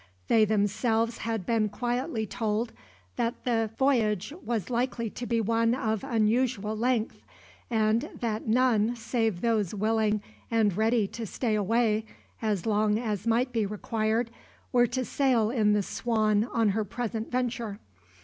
They themselves had been quietly told that the voyage was likely to be one of unusual length, and that none save those willing and ready to stay away, as long as might be required, were to sail in the Swan on her present venture.